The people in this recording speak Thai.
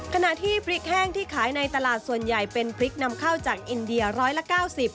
ขณะที่พริกแห้งที่ขายในตลาดส่วนใหญ่เป็นพริกนำเข้าจากอินเดียร้อยละ๙๐